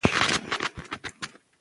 او د درستو رعایت کول ګران دي